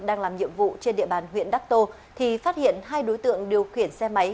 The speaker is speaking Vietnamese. đang làm nhiệm vụ trên địa bàn huyện đắc tô thì phát hiện hai đối tượng điều khiển xe máy